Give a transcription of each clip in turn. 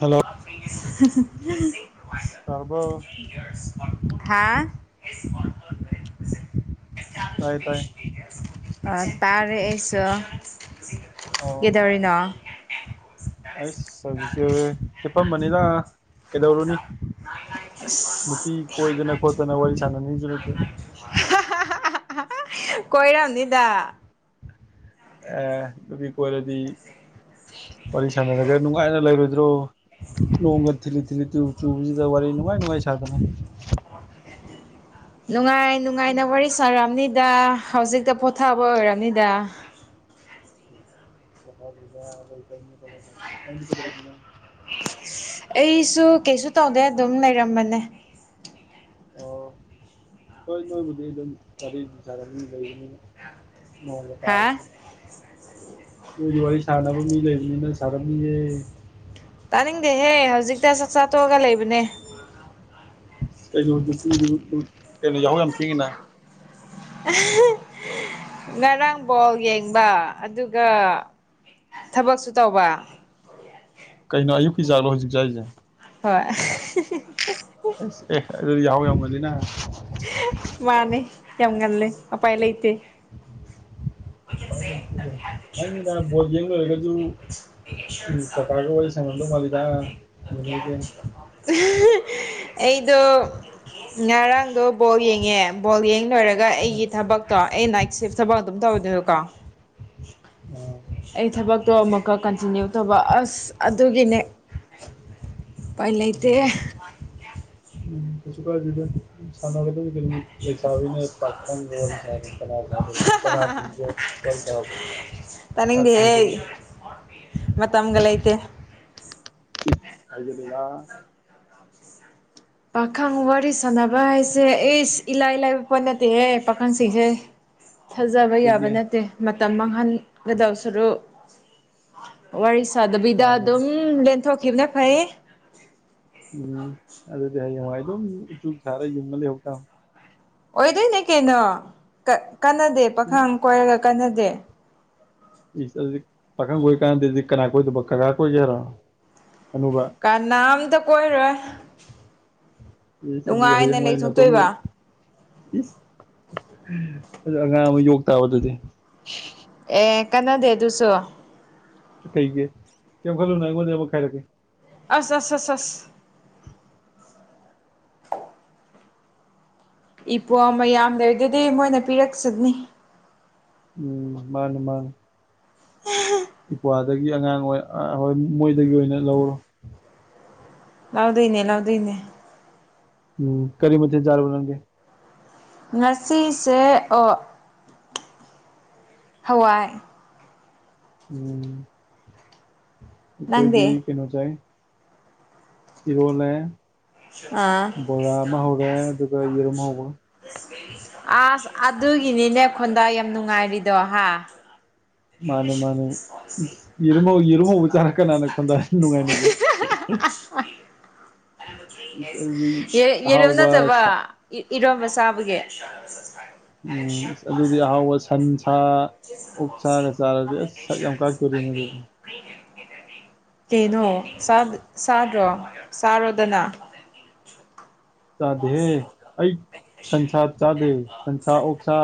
Hello ꯇꯥꯔꯕꯣ ꯍꯥ ꯇꯥꯏ ꯇꯥꯏ ꯑ ꯇꯥꯔꯦ ꯑꯩꯁꯨ ꯑꯣ ꯀꯦꯗꯧꯔꯤꯅꯣ ꯑꯩꯁ ꯍꯧꯖꯤꯛꯁꯦ ꯍꯦꯞꯐꯝꯕꯅꯤꯅ ꯀꯩꯗꯧꯔꯨꯅꯤ ꯅꯨꯄꯤ ꯀꯣꯏꯗꯅ ꯈꯣꯠꯇꯅ ꯋꯥꯔꯤ ꯁꯥꯥꯟꯅꯤꯁꯨ ꯂꯩꯇꯦ ꯀꯣꯏꯔꯝꯅꯤꯗ ꯑꯦ ꯅꯨꯄꯤ ꯀꯣꯏꯔꯗꯤ ꯋꯥꯔꯤ ꯁꯥꯟꯅꯔꯒ ꯅꯨꯡꯉꯥꯏꯅ ꯂꯩꯔꯣꯏ ꯗꯔꯣ ꯅꯣꯡꯒ ꯊꯤꯜꯂꯤ ꯊꯤꯜꯂꯤꯨ ꯆꯨꯕꯁꯤꯗ ꯋꯥꯔꯤ ꯅꯨꯡꯉꯥꯏ ꯅꯨꯡꯉꯥꯏ ꯁꯥꯗꯅ ꯑꯣ [inaudible] ꯅꯨꯡꯉꯥꯏ ꯅꯨꯡꯉꯥꯏꯅ ꯋꯥꯔꯤ ꯁꯥꯔꯝꯅꯤꯗ ꯍꯧꯖꯤꯛꯇ ꯄꯣꯊꯥꯕ ꯑꯣꯏꯔꯕꯝꯅꯤꯗ ꯅꯪꯗꯤ ꯀꯩꯗꯧꯔꯝꯂꯤꯅꯣ ꯑꯩꯁꯨ ꯀꯩꯁꯨ ꯇꯧꯗꯦ ꯑꯗꯨꯝ ꯂꯩꯔꯝꯕꯅꯦ ꯑꯣ ꯍꯣꯏ ꯅꯣꯏꯕꯨꯗꯤ ꯑꯗꯨꯝ ꯋꯥꯔꯤ ꯁꯥꯔꯝꯅꯤ ꯂꯩꯕꯅꯤꯅ ꯅꯣꯡꯒ ꯇꯥ ꯍꯥ ꯅꯣꯏ ꯗꯤ ꯋꯥꯔꯤ ꯁꯥꯟꯅꯕ ꯃꯤ ꯂꯩꯕꯅꯤꯅ ꯁꯥꯔꯝꯅꯤꯌꯦ ꯇꯥꯅꯤꯡꯗꯦꯍꯦ ꯍꯧꯖꯤꯛꯇ ꯆꯥꯛ ꯆꯥꯊꯣꯛꯑꯒ ꯂꯩꯕꯅꯦ ꯀꯩ ꯀꯩꯅꯣ ꯌꯥꯎꯍꯧ ꯌꯥꯝ ꯊꯦꯡꯉꯤꯅ ꯉꯔꯥꯡ ꯕꯣꯜ ꯌꯦꯡꯕ ꯑꯗꯨꯒ ꯊꯕꯛꯁꯨ ꯇꯧꯕ ꯀꯩꯅꯣ ꯑꯌꯨꯛꯀꯤꯖꯥꯠꯂꯣ ꯍꯧꯖꯤꯛ ꯆꯥꯏꯁꯦ ꯍꯣꯏ ꯑꯦꯁ ꯑꯦ ꯑꯗꯨꯗꯤ ꯌꯥꯎ ꯌꯥꯝ ꯉꯜꯂꯤꯅ ꯃꯥꯅꯦ ꯌꯥꯝ ꯉꯜꯂꯦ ꯑꯨꯄꯥꯏ ꯂꯩꯇꯦ ꯎꯄꯥꯏ ꯈꯪꯉꯤꯗ ꯕꯣꯜ ꯌꯦꯡ ꯂꯣꯏꯔꯒꯁꯨ ꯎꯝ ꯀꯀꯥꯒ ꯋꯥꯔꯤ ꯁꯟꯅꯔꯝꯗꯧꯕ ꯃꯥꯜꯂꯤꯗ ꯅꯦꯅꯦꯁꯦ ꯑꯩꯗꯣ ꯉꯔꯥꯡꯗꯣ ꯕꯣꯜ ꯌꯦꯡꯉꯦ ꯕꯣꯜ ꯌꯦꯡ ꯂꯣꯏꯔꯒ ꯑꯩꯒꯤ ꯑꯥ ꯊꯕꯛꯇꯣ ꯑꯩ ꯅꯥꯏꯠ ꯁꯤꯐ ꯊꯕꯛ ꯑꯗꯨꯝ ꯇꯧꯋꯤꯗꯅꯀꯣ ꯑꯩ ꯊꯕꯛꯇꯣ ꯑꯃꯨꯛꯀ ꯀꯟꯇꯤꯅ꯭ꯌꯨ ꯇꯧꯕ ꯑꯁ ꯑꯗꯨꯒꯤꯅꯦ ꯑꯨꯄꯥꯏ ꯂꯩꯇꯦ ꯎꯝ ꯀꯩꯁꯨ ꯀꯥꯏꯗꯦꯗ ꯁꯥꯟꯒ ꯗ ꯂꯩꯩꯁꯥꯕꯤꯅ ꯄꯥꯈꯪꯒ ꯋꯥꯔꯤ ꯁꯥꯗꯅ ꯀꯅꯥꯒ ꯁꯥꯗꯣꯏꯅꯣ ꯀꯅꯥꯅ ꯊꯤꯡꯒꯦ ꯋꯥꯔꯤ ꯁꯥ ꯇꯅꯤꯡꯗꯦ ꯍꯦ ꯃꯇꯝꯒ ꯂꯩꯇꯦ ꯍꯥꯏꯖꯤꯜꯂꯤꯗ ꯄꯥꯈꯪ ꯋꯥꯔꯤ ꯁꯥꯟꯅꯕ ꯍꯥꯏꯁꯦ ꯑꯩꯁ ꯏꯂꯥꯏ ꯂꯥꯏꯕ ꯄꯣꯠ ꯅꯠꯇꯦꯍ ꯄꯥꯈꯪꯁꯤꯡꯁꯦ ꯊꯥꯖꯕ ꯌꯥꯕ ꯑꯩꯒꯤ ꯅꯠꯇꯦ ꯃꯇꯝ ꯃꯥꯡꯍꯟꯒꯗꯕ ꯁꯔꯨ ꯋꯥꯔꯤ ꯆꯗꯕꯤꯗ ꯃꯥꯅꯦ ꯑꯗꯨꯝ ꯂꯦꯟꯊꯣꯛꯈꯤꯕꯅ ꯐꯩ ꯎꯝ ꯑꯗꯨꯗꯤ ꯍꯌꯦꯡꯋꯥꯏ ꯑꯗꯨꯝ ꯎꯆꯨꯛ ꯁꯥꯔꯒ ꯌꯨꯡꯉ ꯂꯩꯍꯧ ꯇꯥ ꯑꯣꯏꯗꯣꯏꯅꯦ ꯀꯩꯅꯣ ꯀꯥꯟꯅꯗꯦ ꯎꯝ ꯄꯥꯈꯪ ꯀꯣꯏꯔꯒ ꯀꯟꯅꯗꯦ ꯏꯁ ꯑꯗꯨꯗꯤ ꯄꯥꯈꯪ ꯀꯣꯏ ꯀꯥꯟꯗꯗꯤ ꯀꯅꯥ ꯀꯣꯏꯗꯕ ꯀꯀꯥ ꯀꯣꯏꯒꯦ ꯍꯥꯏꯔꯣ ꯑꯅꯨꯕ ꯀꯟꯅꯥꯝꯇ ꯀꯣꯏꯔꯣꯏ [unintelligible] ꯑꯗꯨ ꯅꯨꯡꯉꯥꯏꯅ ꯂꯩꯊꯣꯛꯇꯣꯏꯕ ꯑꯉꯥꯡ ꯑꯃ ꯌꯣꯛ ꯇꯥꯕ ꯑꯗꯨꯗꯤ ꯑꯦ ꯀꯟꯅꯗꯦ ꯑꯗꯨꯁꯨ ꯀꯩꯒꯤ ꯀꯩꯝ ꯈꯜꯂꯨꯅꯨ ꯑꯩꯉꯣꯟꯗꯩ ꯑꯃ ꯈꯥꯏꯔꯛꯀꯦ ꯑꯁ ꯑꯁ ꯑꯁ ꯑꯁ ꯏꯄ꯭ꯋꯥ ꯃꯌꯥꯝ ꯂꯩꯔꯤꯗꯨꯗꯤ ꯃꯣꯏꯅ ꯄꯤꯔꯛꯆꯅꯤ ꯎꯝ ꯃꯥꯅꯦ ꯃꯥꯅꯦ ꯑꯗꯒꯤ ꯑꯉꯥꯡ ꯑꯣꯏ ꯑꯥ ꯍꯣꯏ ꯃꯣꯏꯗꯒꯤ ꯑꯣꯏꯅ ꯂꯧꯔꯣ ꯂꯥꯎꯗꯣꯏꯅꯦ ꯂꯥꯎꯗꯣꯏꯅꯦ ꯎꯝ ꯀꯔꯤ ꯃꯊꯦꯟ ꯆꯥꯔꯕꯥ ꯅꯪꯗꯤ ꯉꯁꯤꯁꯦ ꯑꯣ ꯍꯋꯥꯏ ꯎꯝ ꯅꯪꯗꯤ ꯑꯩꯈꯣꯏꯗꯤ ꯀꯩꯅꯣ ꯆꯥꯏ ꯏꯔꯣꯜꯂꯦ ꯑꯥ ꯕꯣꯔꯥ ꯑꯃ ꯍꯧꯔꯦ ꯑꯗꯨꯒ ꯌꯦꯔꯨꯝ ꯍꯧꯕꯒ ꯑꯁ ꯑꯗꯨꯒꯤꯅꯤꯅꯦ ꯈꯣꯟꯗꯥ ꯌꯥꯝ ꯅꯨꯡꯉꯥꯏꯔꯤꯗꯣ ꯍꯥ ꯃꯥꯅꯦ ꯃꯥꯅꯦ ꯏꯁ ꯌꯦꯔꯨꯝ ꯍꯧ ꯌꯦꯔꯨꯝ ꯍꯧꯕ [unintelligible] ꯆꯥꯔ ꯀꯅꯥꯅ ꯈꯣꯟꯗꯥ ꯅꯨꯡꯉꯥꯏꯅꯒꯦ [unintelligible] ꯏꯁ ꯑꯗꯨꯗꯤ ꯌꯦ ꯌꯦꯔꯨꯝ ꯑꯍꯥꯎꯕ ꯅꯠꯇꯕ ꯁꯥ ꯏꯔꯣꯝꯕ ꯆꯥꯕꯒꯤ ꯎꯝ ꯑꯗꯨꯗꯤ ꯑꯍꯥꯎꯕ ꯁꯟ ꯁꯥ ꯑꯣꯛ ꯁꯥꯒ ꯆꯥꯔꯗꯤ ꯑꯁ ꯁꯛ ꯌꯥꯝ ꯀꯥꯛꯇꯣꯔꯤ [unintelligible] ꯀꯩꯅꯣ ꯆꯥꯗ ꯆꯥꯗ꯭ꯔꯣ ꯆꯥꯔꯣꯗꯅ ꯆꯥꯗꯦꯍꯦ ꯑꯩ ꯁꯟꯁꯥ ꯆꯥꯗꯦ ꯁꯟꯁꯥ ꯑꯣꯛꯁꯥ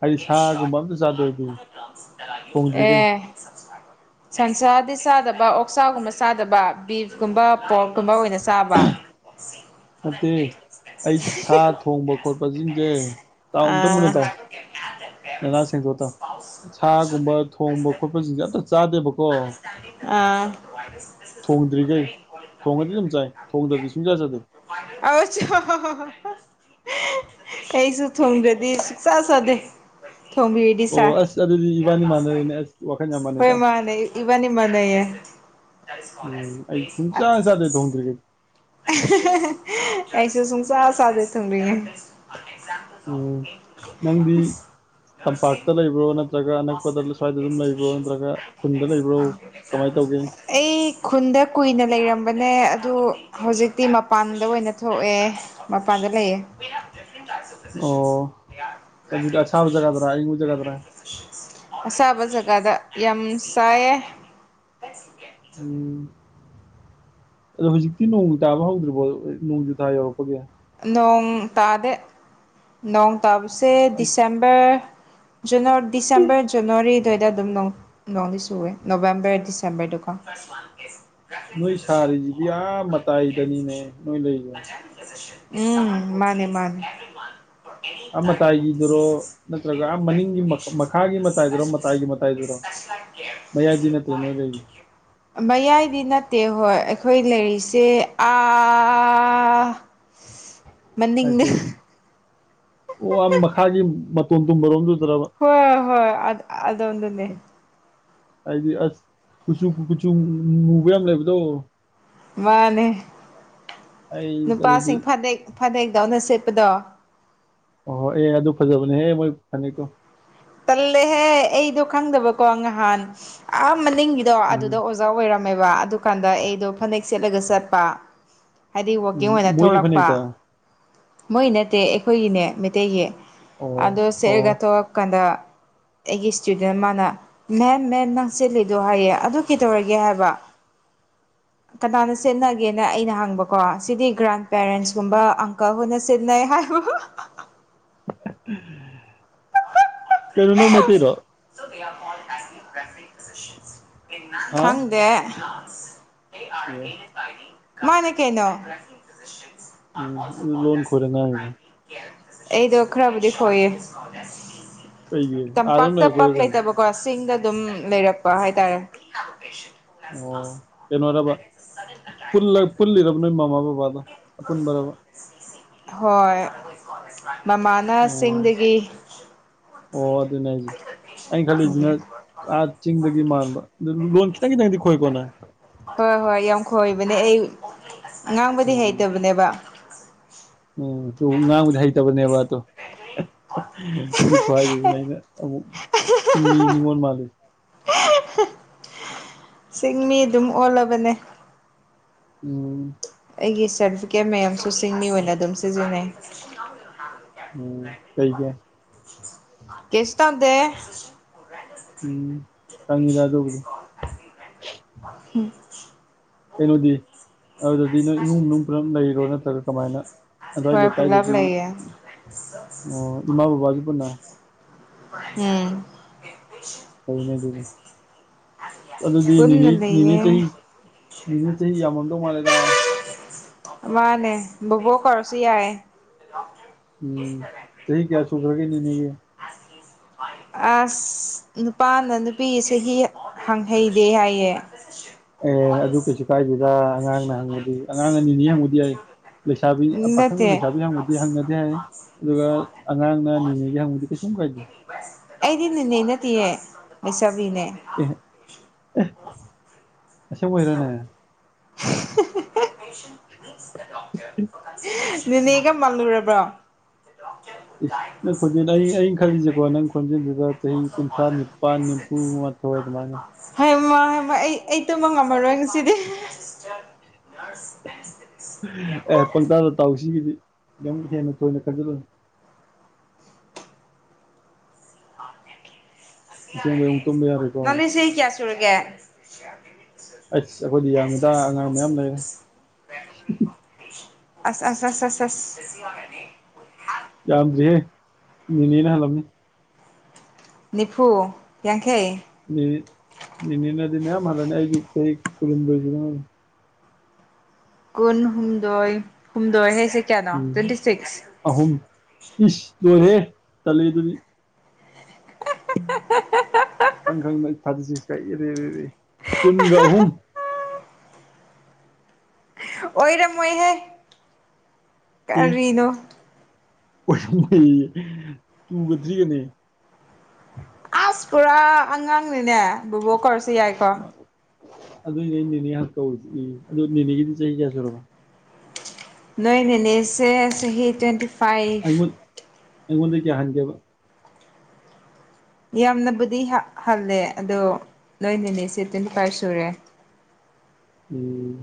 ꯍꯥꯏꯗꯤ ꯁꯥꯒꯨꯝꯕ ꯑꯝꯇ ꯆꯥꯗꯦ ꯑꯩꯗꯤ ꯊꯣꯡꯗ꯭ꯔꯤꯈꯩ ꯑꯦ ꯁꯟꯁꯥꯗꯤ ꯆꯥꯗꯕ ꯑꯣꯛꯆꯥꯒꯨꯝꯕ ꯆꯥꯗꯕ ꯕꯤꯐꯀꯨꯝꯕ ꯄꯣꯛ ꯀꯨꯝꯕ ꯑꯣꯏꯅ ꯆꯥꯕ ꯅꯠꯇꯦ ꯑꯩ ꯁꯥ ꯊꯣꯡꯕ ꯈꯣꯠꯄ ꯁꯤꯡꯁꯦ ꯇꯥꯎ ꯑꯝꯇ ꯃꯨꯟꯅ ꯇꯥꯎ ꯑꯥ [unintelligible] ꯁꯥꯒꯨꯝꯕ ꯊꯣꯡꯕ ꯈꯣꯠꯄꯁꯤꯡꯁꯦ ꯆꯥꯗꯦꯕꯀꯣ ꯑꯥ [inaudible] ꯊꯣꯡꯗ꯭ꯔꯤꯈꯩ ꯊꯣꯡꯉꯗꯤ ꯑꯗꯨꯝ ꯆꯥꯏ ꯊꯣꯡꯗ꯭ꯔꯗꯤ ꯁꯨꯡꯆꯥ ꯆꯥꯗꯦ [unintelligible] ꯑꯩꯁꯨ ꯊꯨꯡꯗ꯭ꯔꯗꯤ ꯁꯨꯛꯆꯥꯥ ꯆꯥꯗꯦ ꯊꯣꯡꯕꯤꯔꯗꯤ ꯑꯣ ꯆꯥꯏ ꯑꯁ ꯑꯗꯨꯗꯤ ꯏꯕꯥꯅꯤ ꯃꯥꯟꯅꯔꯅꯦ ꯑꯁ ꯋꯥ ꯍꯣꯏ ꯃꯥꯅꯦ ꯏꯕꯥꯅꯤ ꯃꯥꯟꯅꯩꯌꯦ ꯎꯝ ꯑꯩ ꯁꯨꯡꯆꯥ ꯆꯥꯗꯦ ꯊꯣꯡꯗ꯭ꯔꯤꯒꯩ ꯑꯩꯁꯨ ꯁꯨꯡꯆꯥ ꯆꯥꯗꯦ ꯊꯣꯡꯗ꯭ꯔꯤꯒꯩ [inaudible] ꯎꯝ ꯅꯪꯗꯤ ꯇꯝꯄꯥꯛꯇ ꯂꯩꯕ꯭ꯔꯣ ꯅꯠꯇ꯭ꯔꯒ ꯑꯅꯛꯄꯗ ꯁ꯭ꯋꯥꯏꯗ ꯑꯗꯨꯝ ꯂꯩꯕ꯭ꯔꯣ ꯅꯠꯇ꯭ꯔꯒ ꯈꯨꯟꯗ ꯂꯩꯕ꯭ꯔꯣ ꯀꯃꯥꯏꯅ ꯇꯧꯒꯦ ꯑꯩ ꯈꯨꯟ ꯗꯀꯨꯏꯅ ꯂꯩꯝꯔꯝ ꯕꯅꯦ ꯑꯗꯨ ꯍꯧꯖꯤꯛꯇꯤ ꯃꯄꯥꯟꯗ ꯑꯣꯏꯅ ꯊꯣꯛꯑꯦ ꯃꯄꯥꯟꯗ ꯂꯩꯌꯦ [inaudible] ꯑꯣ ꯑꯗꯨꯗꯤ ꯑꯁꯥꯕ ꯖꯒꯥꯗꯔꯥ ꯑꯏꯪꯕ ꯖꯒꯥꯗꯔꯥ ꯑꯁꯥꯕ ꯖꯒꯥꯗ ꯌꯥꯝ ꯁꯥꯏꯌꯦ ꯎꯝ ꯑꯗꯣ ꯍꯧꯖꯤꯛꯇꯤ ꯅꯣꯡ ꯇꯥꯕ ꯍꯧꯗ꯭ꯔꯤꯕꯣ ꯅꯣꯡꯖꯨ ꯊꯥ ꯌꯧꯔꯛꯄꯒꯤ ꯅꯣꯡ ꯇꯥꯗꯦ ꯅꯣꯡ ꯇꯥꯕꯁꯦ ꯑꯩ ꯗꯤꯁꯦꯝꯕꯔ ꯖꯅꯋꯥ ꯗꯤꯁꯦꯝꯕꯔ ꯖꯅꯋꯥꯔꯤ ꯗꯨꯋꯥꯗ ꯑꯗꯨꯝ ꯅꯣꯡꯗꯤ ꯁꯨꯋꯦ ꯅꯣꯕꯦꯝꯕꯔ ꯗꯤꯁꯦꯝꯕꯔꯗꯨ [inaudible] ꯅꯣꯏ ꯁꯥꯔꯤꯁꯤꯗꯤ ꯌꯥꯝ ꯃꯇꯥꯏꯗꯅꯤꯅꯦ ꯅꯣꯏ ꯂꯩꯔꯤꯁꯦ ꯎꯝ ꯃꯥꯅꯦ ꯃꯥꯅꯦ ꯑꯥ ꯃꯇꯥꯏꯒꯤꯗꯨꯔꯣ ꯅꯠꯇ꯭ꯔꯒ ꯑꯥ ꯃꯅꯤꯡꯒꯤ ꯃꯈꯥꯒꯤ ꯃꯇꯥꯏꯗꯨꯔꯣ ꯃꯇꯥꯏꯒꯤ ꯃꯇꯥꯏꯗꯨꯔꯣ ꯃꯌꯥꯏꯗꯤ ꯅꯠꯇꯦ ꯍꯣꯏ ꯑꯩꯈꯣꯏ ꯂꯩꯔꯤꯁꯦ ꯑꯥ ꯃꯅꯤꯡꯗ ꯍꯥꯏꯗꯤ ꯑꯣ ꯃꯈꯥꯒꯤ ꯃꯇꯣꯟ ꯗꯨꯝ ꯕꯔꯣꯟꯗꯨ ꯍꯣꯏ ꯍꯣꯏ ꯑꯗꯣ ꯑꯗꯣꯟꯗꯅꯦ ꯑꯩꯗꯤ ꯑꯁ ꯀꯨꯆꯨ ꯀꯨꯆꯨ ꯃꯨꯕ ꯌꯥꯝ ꯂꯩꯕꯗꯣ ꯃꯥꯅꯦ ꯑꯩ ꯑꯗꯨꯗꯤ ꯅꯨꯄꯥꯁꯤꯡ ꯐꯗꯦꯛ ꯐꯗꯦꯛꯗꯧꯅ ꯁꯦꯠ ꯄꯗꯣ ꯑꯣ ꯍꯣꯏ ꯑꯦ ꯑꯗꯨ ꯐꯖꯕꯅꯦꯍ ꯃꯣꯏ ꯐꯅꯦꯛꯇꯣ ꯇꯜꯂꯦꯍꯦ ꯑꯩꯗꯣ ꯈꯪꯗꯕꯀꯣ ꯉꯍꯥꯟ ꯑꯥ ꯅꯤꯡꯒꯤꯗꯣ ꯑꯗꯨꯗ ꯎꯝ ꯑꯣꯖꯥ ꯑꯣꯏꯔ ꯇꯝꯃꯦꯕ ꯑꯗꯨ ꯀꯥꯟꯗ ꯑꯩꯗꯣ ꯐꯅꯦꯛ ꯁꯦꯠꯂꯒ ꯆꯠꯄ ꯍꯥꯏꯗꯤ ꯋꯥꯛꯀꯤꯡ ꯎꯝ ꯑꯣꯏꯅ ꯃꯣꯏꯒꯤ ꯊꯣꯛꯂꯛꯄ ꯐꯅꯦꯛꯇꯣ ꯃꯣꯏ ꯅꯠꯇꯦ ꯑꯩꯈꯣꯏꯒꯤꯅꯦ ꯃꯩꯇꯩꯒꯤ ꯑꯣ ꯑꯗꯣ ꯁꯦꯠꯑꯒ ꯑꯣ ꯊꯣꯛꯂꯛꯄ ꯀꯥꯟꯗ [inaudible] ꯑꯩꯒꯤ ꯏꯁꯇꯨꯗꯦꯟ ꯃꯥꯅ ꯃꯦꯝ ꯃꯦꯝ ꯅꯪ ꯁꯦꯠꯂꯤꯗꯣ ꯍꯥꯏꯌꯦ ꯑꯗꯨ ꯀꯩꯗꯧꯔꯒꯦ ꯍꯥꯏꯕ ꯀꯅꯥꯅ ꯁꯦꯠꯅꯒꯦꯅ ꯑꯩꯅ ꯍꯪꯕꯀꯣ ꯁꯤꯗꯤ ꯒ꯭ꯔꯥꯟ ꯄꯦꯔꯦꯟꯁꯀꯨꯝꯕ ꯑꯪꯀꯜ ꯍꯣꯏꯅ ꯁꯤꯠꯅꯩ ꯍꯥꯏꯕ ꯑꯍꯥꯍꯥꯍꯥ ꯀꯩꯅꯣ ꯅꯪ ꯃꯩꯇꯩꯔꯣ ꯍꯥ ꯈꯪꯗꯦ ꯑꯦ ꯃꯥꯅꯦ ꯀꯩꯅꯣ ꯎꯝ ꯑꯗꯨ ꯂꯣꯟ ꯈꯣꯏꯔ ꯉꯥꯡꯉꯤꯕ ꯑꯩꯗꯣ ꯈꯔꯕꯨꯗꯤ ꯈꯣꯏꯌꯦ ꯀꯩꯒꯤ ꯑꯥꯗ ꯑꯗꯨꯝ ꯇꯝꯄꯥꯛꯇ ꯄꯥꯛ ꯂꯩꯔꯛꯄꯩꯔꯣ ꯀꯩꯅꯣ ꯂꯩꯇꯕꯀꯣ ꯆꯤꯡꯗ ꯑꯗꯨꯝ ꯂꯩꯔꯛꯄ ꯍꯥꯏꯇꯥꯔꯦ ꯑꯣ ꯀꯩꯅꯣꯔꯕ ꯄꯨꯜꯂꯤꯔꯕ ꯅꯣꯏ ꯃꯃꯥ ꯕꯕꯥꯗꯣ ꯑꯄꯨꯟꯕꯔꯕ ꯍꯣꯏ ꯃꯃꯥꯅ ꯑꯣ ꯆꯤꯡꯗꯒꯤ ꯑꯣ ꯑꯗꯨꯅꯦ ꯍꯥꯏꯁꯦ ꯑꯩꯅ ꯈꯜꯂꯤꯁꯤꯅ ꯑꯥ ꯆꯤꯡꯗꯒꯤ ꯃꯥꯟꯕ ꯂꯣꯟ ꯈꯤꯇꯡ ꯈꯤꯇꯡ ꯗꯤ ꯈꯣꯏꯀꯣ ꯅꯪ ꯍꯣꯏ ꯍꯣꯏ ꯌꯥꯝ ꯈꯣꯏꯕꯅꯦ ꯑꯩ ꯑꯉꯥꯡꯕꯗꯤ ꯎꯝ ꯍꯩꯇꯕꯅꯦꯕ ꯎꯝ ꯇꯨ ꯉꯥꯡꯕꯗꯤ ꯍꯩꯇꯕꯅꯦꯕ ꯗꯣ ꯑꯗꯨꯏ ꯈꯨꯍꯥꯏꯗꯨꯗꯅꯦ ꯑꯩꯅ ꯑꯃꯨꯛ ꯃꯨꯛ ꯆꯤꯡꯃꯤ ꯅꯤꯉꯣꯟ ꯃꯥꯂꯦ ꯆꯤꯡ ꯃꯤ ꯑꯗꯨꯝ ꯑꯣꯜꯂꯕꯅꯦ ꯎꯝ ꯑꯩꯒꯤ ꯁꯥꯔꯇꯤꯐꯤꯀꯦꯠ ꯃꯌꯥꯝꯁꯨ ꯆꯤꯡꯃꯤ ꯑꯣꯏꯅ ꯑꯗꯨꯝ ꯁꯤꯖꯤꯟꯅꯩ ꯎꯝ ꯀꯩꯒꯤ ꯀꯩꯁꯨ ꯇꯧꯗꯦ ꯎꯝ ꯈꯪꯉꯤꯗ ꯑꯗꯨꯕꯨꯗꯤ ꯎꯝ ꯀꯩꯅꯣꯗꯤ ꯑꯗꯨꯗꯗꯤ ꯅꯣꯏ ꯏꯃꯨꯡ ꯃꯅꯨꯡ ꯄꯨꯂꯞ ꯂꯩꯔꯣ ꯅꯠꯇ꯭ꯔꯒ ꯀꯃꯥꯏꯅ ꯑꯗꯨ꯭ꯋꯥꯏ ꯂꯩꯀꯥꯏꯗꯗꯤ ꯑꯣ ꯏꯃꯥ ꯕꯕꯥꯁꯨ ꯄꯨꯟꯅ ꯎꯝ ꯐꯩꯅꯦ ꯑꯗꯨꯅꯤ ꯑꯗꯨꯗꯤꯅꯤꯅꯤ ꯅꯤꯅꯦ ꯆꯍꯤ ꯅꯤꯅꯦ ꯆꯍꯤ ꯃꯥꯅꯦ ꯌꯥꯝꯃꯝꯗꯧ ꯃꯥꯜꯂꯦꯗ ꯃꯥꯅꯦ ꯕꯣꯕꯣꯛ ꯀꯧꯔꯁꯨ ꯌꯥꯥꯏ ꯎꯝ ꯆꯍꯤ ꯆꯍꯤ ꯀꯌꯥꯁꯨꯨꯒ꯭ꯔꯒꯦ ꯅꯤꯅꯦꯒꯤ ꯑꯁ ꯅꯨꯄꯥꯅ ꯅꯨꯄꯤꯒꯤ ꯆꯍꯤ ꯍꯪꯍꯩꯗꯦ ꯍꯥꯏꯌꯦ ꯑꯦ ꯑꯗꯨ ꯀꯩꯁꯨ ꯀꯥꯏꯗꯦꯗ ꯑꯉꯥꯡꯅ ꯍꯪꯉꯨꯗꯤ ꯑꯉꯥꯡ ꯑꯅꯤꯅꯤ ꯍꯪꯉꯨꯗꯤ ꯌꯥ ꯂꯩꯁꯥꯕꯤ ꯑꯥ ꯄꯥꯈꯪꯅ ꯅꯠꯇꯦ ꯂꯩꯁꯥꯕꯤ ꯍꯪꯕꯗꯤ ꯍꯪꯅꯗꯦ ꯍꯥꯏ ꯑꯗꯨꯒ ꯑꯉꯥꯡꯅ [unintelligible] ꯀꯩꯁꯨꯝ ꯀꯥꯏꯗꯦ ꯑꯩꯗꯤ ꯅꯤꯅꯦ ꯅꯠꯇꯤꯌꯦ ꯂꯩꯁꯥꯕꯤꯅꯦ ꯑꯦ ꯑꯁꯦꯡꯕꯩꯔꯅꯦ [unintelligible] ꯅꯤꯅꯦꯒ ꯃꯥꯜꯂꯨꯔꯕ꯭ꯔꯣ ꯏ꯭ꯁ ꯅꯪ ꯈꯣꯟꯖꯦꯜ ꯑꯩ ꯑꯩ ꯈꯜꯂꯤꯁꯦꯀꯣ ꯅꯪ ꯈꯣꯟꯖꯦꯜꯗꯨꯒ ꯆꯍꯤ ꯀꯨꯟꯊ꯭ꯔꯥ ꯅꯤꯄꯥꯟ ꯅꯤꯝꯐꯨꯒ ꯃꯊꯣꯏ ꯑꯗꯨꯃꯥꯏꯅ ꯃꯥꯏꯃꯥ ꯑꯩ ꯑꯩ ꯇꯨꯝꯕ ꯉꯝꯃꯔꯣꯏ ꯉꯁꯤꯗꯤ ꯑꯦ ꯄꯪꯇꯥꯗ ꯇꯥꯎ ꯁꯤꯒꯤꯗꯤ ꯌꯥꯝ ꯍꯦꯟꯅ ꯊꯣꯏꯅ ꯈꯟꯖꯜꯂꯨꯅꯣ ꯑꯁꯦꯡꯕ ꯑꯃꯨꯛ ꯇꯨꯝꯕ ꯌꯥꯔꯣꯏꯀꯣ ꯗꯧꯔꯒꯦ ꯑꯩꯁ ꯑꯈꯣꯏꯗꯤ ꯌꯥꯝꯃꯤꯗ ꯑꯉꯥꯡ ꯃꯌꯥꯝ ꯂꯩꯔꯦ ꯑꯁ ꯑꯁ ꯑꯁ ꯑꯁ ꯑꯁ ꯌꯥꯝꯗꯔꯤꯍꯦ ꯅꯤꯅꯦꯅ ꯍꯜꯂꯝꯅꯤ ꯅꯤꯐꯨ ꯌꯥꯡꯈꯩ ꯅꯤꯅꯦ ꯅꯤꯅꯦꯅꯗꯤ ꯃꯌꯥꯝ ꯍꯜꯂꯅꯤ ꯑꯩꯗꯤ ꯆꯍꯤ ꯀꯨꯟꯍꯨꯝꯗꯣꯏ ꯁꯨꯗ ꯉꯥꯏꯔꯤ ꯀꯨꯟ ꯍꯨꯝꯗꯣꯏ ꯍꯨꯝꯗꯣꯏ ꯍꯥꯏꯁꯦ ꯀꯌꯥꯅꯣ ꯎꯝ ꯇ꯭ꯋꯦꯟꯇꯤ ꯁꯤꯛꯁ ꯑꯍꯨꯝ ꯏꯁ ꯂꯣꯏꯍꯦ ꯇꯜꯂꯦ ꯑꯗꯨꯗꯤ [unintelligible] [unintelligible] ꯀꯨꯟꯒ ꯑꯍꯨꯝ ꯑꯣꯏꯔꯝꯃꯣꯏꯍꯦ ꯀꯔꯤꯅꯣ ꯑꯣꯏꯔꯝꯃꯣꯢꯑꯌꯦ ꯇꯨꯒ ꯊ꯭ꯔꯤꯒꯅꯦ ꯑ꯭ꯁ ꯄꯨꯔꯥ ꯑꯉꯥꯡꯅꯤꯅꯦ ꯕꯣꯕꯣꯛ ꯀꯧꯔꯁꯨ ꯌꯥꯏꯀꯣ ꯃꯥ ꯑꯗꯨꯏꯅꯦ ꯑꯩ ꯅꯤꯅꯦ ꯉꯥꯟ ꯀꯧꯔꯤꯁꯦ ꯏ ꯑꯗꯨ ꯅꯤꯅꯦꯒꯤꯗꯤ ꯆꯍꯤ ꯀꯌꯥ ꯁꯨꯔꯕ ꯅꯣꯏ ꯅꯤꯅꯦꯁꯦ ꯆꯍꯤ ꯇ꯭ꯋꯦꯟꯇꯤ ꯐꯥꯏꯚ ꯑꯩꯉꯣꯟ ꯑꯩꯉꯣꯟꯗꯩ ꯀꯌꯥ ꯍꯟꯒꯦꯕ ꯌꯥꯝꯅꯕꯨꯗꯤ ꯍꯥ ꯍꯜꯂꯦ ꯑꯗꯣ ꯅꯣꯏ ꯅꯤꯅꯦꯁꯦ ꯇ꯭ꯋꯦꯟꯇꯤ ꯐꯥꯏꯚ ꯁꯨꯔꯦ [unintelligible] ꯎꯝ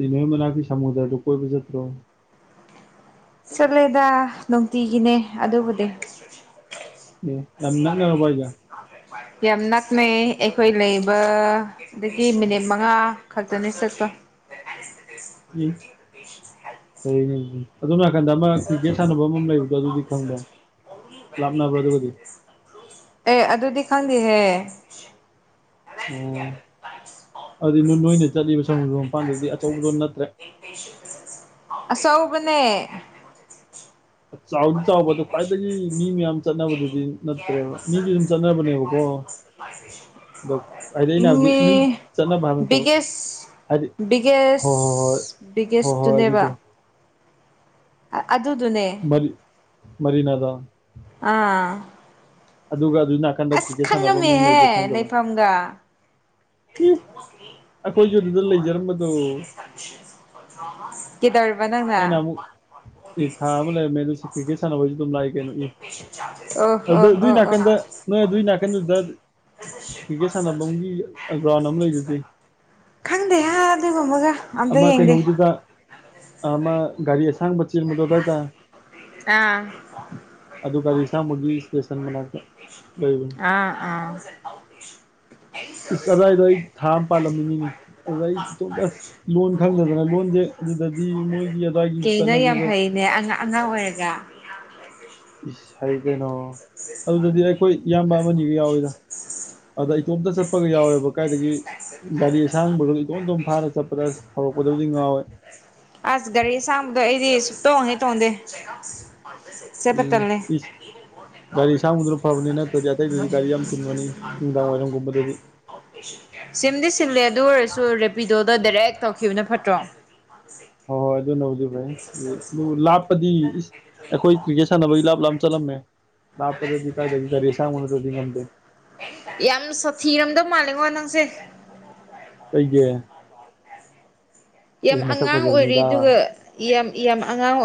ꯅꯤꯅꯦ ꯃꯅꯥꯛꯇꯤ ꯁꯃꯨꯗ꯭ꯔꯗ ꯀꯣꯏꯕ ꯆꯠꯇ꯭ꯔꯣ ꯆꯠꯂꯦꯗ ꯅꯨꯡꯇꯤꯒꯤꯅꯦ ꯑꯗꯨꯕꯨꯗꯤ ꯑꯝ ꯌꯥꯝ ꯅꯛꯅꯔꯕꯣ ꯍꯥꯏꯖꯦ ꯌꯥꯝ ꯅꯛꯅꯩ ꯑꯩꯈꯣꯏ ꯂꯩꯕꯗꯒꯤ ꯃꯤꯅꯤꯠ ꯃꯉꯥ ꯈꯛꯇꯅꯤ ꯆꯠꯄ [inaudible] ꯎꯝ ꯑꯗꯣꯝ ꯅꯥꯀꯟꯗ ꯑꯃ ꯀ꯭ꯔꯤꯀꯦꯠ ꯁꯥꯟꯅꯕꯝ ꯑꯃ ꯂꯩꯕ ꯗꯣꯗꯨꯗꯤ ꯈꯪꯕ꯭ꯔꯥ ꯂꯥꯞꯅꯕ꯭ꯔꯥ ꯑꯗꯨꯒꯗꯤ? ꯑꯦ ꯑꯗꯨꯗꯤ ꯈꯪꯗꯦꯍꯦ ꯑꯣ ꯑꯗꯨ ꯅꯣꯏ ꯅꯣꯏꯅ ꯆꯠꯂꯤꯕ ꯃꯄꯥꯟꯗꯗꯤ ꯑꯆꯧꯕꯗꯣ ꯅꯠꯇ꯭ꯔꯦ ꯆꯥꯎꯗꯤ ꯆꯥꯎꯕ ꯑꯗꯣ ꯈ꯭ꯋꯥꯏꯗꯒꯤ ꯃꯤ ꯃꯌꯥꯝ ꯆꯠꯅꯕꯗꯨꯗꯤ ꯅꯠꯇ꯭ꯔꯦꯕ ꯃꯤꯗꯤ ꯑꯗꯨꯝ ꯆꯠꯅꯕꯅꯦꯕꯀꯣ ꯑꯗꯣ ꯍꯥꯏꯗꯤ ꯑꯩꯅ ꯍꯥꯏꯕꯗꯤ ꯃꯤ ꯆꯠꯅꯕ ꯍꯥꯏꯕ ꯃꯤ ꯕꯤꯒꯦꯁ ꯕꯤꯒꯦꯁ ꯕꯤꯒꯦꯁꯇꯨꯅꯦꯕ ꯅꯠꯇꯕ ꯍꯥꯏꯗꯤ ꯍꯣꯏ ꯍꯣꯏ ꯍꯣꯏ ꯍꯣꯏ ꯍꯣꯏ ꯑꯗꯨꯗꯨꯅꯦ ꯑꯗꯨꯗꯣ ꯑꯗꯨ ꯑꯗꯨꯅꯦ ꯃꯔꯤ ꯃꯔꯤꯅꯥꯗꯣ ꯑꯥ ꯑꯗꯨꯒ ꯑꯗꯨꯏ ꯅꯥꯀꯥꯟꯗ ꯀ꯭ꯔꯤꯛꯀꯦꯠ ꯁꯥꯟꯅꯕꯝ ꯑꯃ ꯂꯩꯗꯣ ꯈꯪꯗꯕ ꯈꯪꯉꯝꯃꯦꯍꯦ ꯂꯩꯐꯝꯒ ꯏ [unintelligible] ꯑꯩꯈꯣꯏꯁꯨ ꯑꯗꯨꯗ ꯂꯩꯖꯔꯝꯕꯗꯣ ꯃꯥ [unintelligible] ꯑꯩꯅ ꯑꯃꯨꯛ ꯑꯦ ꯊꯥ ꯑꯃ ꯂꯩꯔꯝꯃꯦ ꯑꯗꯨ ꯁꯤ ꯀ꯭ꯔꯤꯛꯀꯦꯠ ꯁꯥꯟꯅꯕꯁꯨ ꯑꯗꯨꯝ ꯂꯥꯛꯏ ꯀꯩꯅꯣ ꯑꯦ ꯑꯣ ꯑꯗꯨꯗ ꯑꯣ ꯑꯗꯨꯏ ꯑꯣ ꯑꯣ ꯅꯥꯀꯟꯗ ꯅꯣꯏ ꯑꯗꯨꯏ ꯅꯥꯀꯟꯗꯨꯗ ꯀ꯭ꯔꯤꯀꯦꯠ ꯁꯥꯟꯅꯐꯝꯒꯤ ꯒ꯭ꯔꯥꯎꯟ ꯑꯃ ꯂꯩꯗꯨꯗꯤ ꯍꯪꯗꯦ ꯍꯥꯏ ꯑꯗꯨꯒꯨꯝꯕꯒ ꯑꯝꯇ ꯑꯃ ꯌꯦꯡꯗꯦ ꯀꯩꯅꯣꯒꯤꯗꯨꯗ ꯑꯃ ꯒꯥꯔꯤ ꯑꯁꯥ ꯆꯤꯟꯕꯗꯣ ꯑꯗꯥꯏꯗ ꯑꯥ ꯑꯗꯨ ꯒꯥꯔꯤ ꯑꯁꯥꯡꯕꯒꯤ ꯏꯁꯇꯦꯁꯟ ꯃꯅꯥꯛꯇ ꯂꯩꯕꯅꯤ ꯑꯥ ꯑꯥ ꯏꯁꯁ ꯑꯗꯥꯏꯗꯣ ꯑꯩ ꯊꯥ ꯑꯃ ꯄꯥꯜꯂꯝꯃꯤꯅꯤꯅꯦ ꯑꯗꯨ ꯑꯩ ꯏꯇꯣꯝꯗ ꯂꯣꯟ ꯈꯪꯗꯗꯅ ꯂꯣꯟꯁꯦ ꯑꯗꯨꯗꯗꯤ ꯃꯣꯏꯒꯤ ꯑꯗꯨꯋꯥꯏꯒꯤ ꯆꯠꯅꯕꯤ ꯍꯩꯅꯦ ꯑꯉꯥꯡ ꯑꯣꯏꯔꯒ ꯏꯁ ꯍꯩ ꯀꯩꯅꯣ ꯑꯗꯨꯗꯗꯤ ꯑꯩꯈꯣꯏ ꯏꯌꯥꯝꯕ ꯑꯃꯅꯤ ꯒꯥ ꯌꯥꯎꯋꯤꯗ ꯑꯗ ꯑꯩ ꯏꯇꯣꯝꯇ ꯆꯠꯄꯒ ꯌꯥꯎꯋꯦꯕ ꯀꯥꯏꯗꯒꯤ ꯒꯥꯔꯤ ꯑꯁꯥꯡꯕꯗꯣ ꯏꯇꯣꯝ ꯏꯇꯣꯝ ꯐꯥꯔ ꯆꯠꯄꯗ ꯍꯧꯔꯛꯄꯗꯕꯨꯗꯤ ꯉꯥꯎ ꯍꯣꯏ ꯑꯁ ꯒꯥꯔꯤ ꯁꯥꯡꯕꯗꯣ ꯑꯩꯗꯤ ꯁꯨꯛꯇꯣꯡ ꯍꯦꯛ ꯇꯣꯡꯗꯦ ꯆꯠꯄ ꯎꯝ ꯇꯜꯂꯦ ꯏꯁ ꯒꯥꯔꯤ ꯑꯁꯥꯡꯕꯗꯨꯅ ꯐꯕꯅꯤꯅ ꯗꯤ ꯑꯇꯩꯗꯗꯤ ꯒꯥꯔꯤ ꯌꯥꯝ ꯆꯤꯟꯕꯅꯤ ꯅꯨꯡꯗꯥꯡ ꯋꯥꯏꯔꯝꯒꯨꯝꯕꯗꯗꯤ ꯁꯤꯝꯗꯤ ꯁꯤꯜꯂꯦ ꯑꯗꯨ ꯑꯣꯏꯔꯁꯨ ꯔꯦꯄꯤꯗꯣꯗ ꯗꯥꯏꯔꯦꯛ ꯇꯧꯈꯤꯕꯅ ꯐꯠꯇ꯭ꯔꯣ ꯃꯥꯦ ꯍꯣꯏ ꯍꯣꯏ ꯑꯗꯨꯅꯕꯨꯗꯤ ꯐꯩ ꯑꯗꯨ ꯂꯥꯞꯄꯗꯤ ꯏꯁ ꯑꯩꯈꯣꯏ ꯀ꯭ꯔꯤꯀꯦꯠ ꯁꯥꯟꯅꯕꯒꯤ ꯂꯥꯞ ꯂꯥꯞ ꯅ ꯆꯠꯂꯝꯃꯦ ꯂꯥꯞꯄꯗꯗꯤ ꯀꯥꯏꯗꯒꯤ ꯒꯥꯔꯤ ꯑꯁꯥꯕ ꯅꯠꯅ꯭ꯔꯗꯤ ꯉꯝꯗꯦ ꯌꯥꯝ ꯁꯥꯊꯤꯔꯝꯗꯧ ꯃꯥꯜꯂꯦꯉꯣ ꯅꯪꯁꯦ ꯀꯩꯒꯤ ꯌꯥꯝ ꯃꯁꯛ ꯑꯉꯥꯡ ꯑꯣꯏꯔꯤ ꯐꯖꯕꯅꯤꯗ ꯑꯗꯨꯒ ꯌꯥꯝ ꯌꯥꯝ ꯑꯉꯥꯡ ꯑꯣꯏ